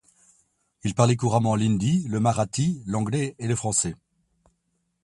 Il parlait couramment l'hindi, le marathi, l'anglais et le français.